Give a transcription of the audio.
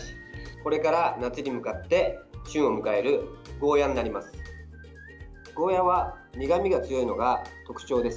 これから夏に向かって旬を迎えるゴーヤーになります。